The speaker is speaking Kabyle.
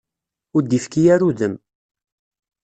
Ur d-ifki ara udem.